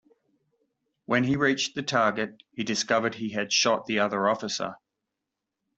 When he reached the target he discovered he had shot the other officer.